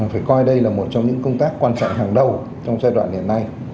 phải coi đây là một trong những công tác quan trọng hàng đầu trong giai đoạn hiện nay